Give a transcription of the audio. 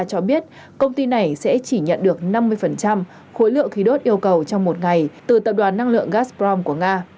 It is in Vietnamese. nga cho biết công ty này sẽ chỉ nhận được năm mươi khối lượng khí đốt yêu cầu trong một ngày từ tập đoàn năng lượng gazprom của nga